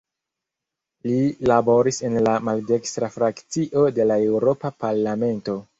Li laboris en la maldekstra frakcio de la Eŭropa Parlamento.